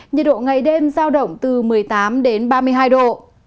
nhiệt độ ngày đêm giao động từ một mươi tám đến ba mươi hai độ